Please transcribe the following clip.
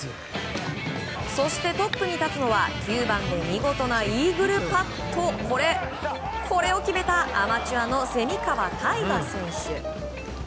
そして、トップに立つのは９番で見事なイーグルパットを決めたアマチュアの蝉川泰果選手。